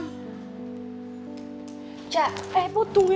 ngeri dia sampaistepsnya urin lagi